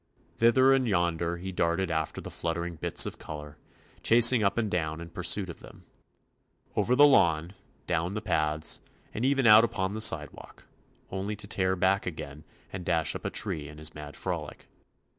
Thither and yonder he darted after the fluttering bits of color, chasing up and down in pursuit of them. Over the lawn, down the paths, and even out upon the sidewalk, only to tear back again and dash up a tree in his mad frolic.